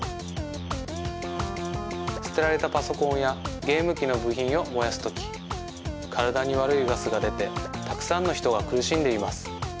すてられたパソコンやゲームきのぶひんをもやすときからだにわるいガスがでてたくさんのひとがくるしんでいます。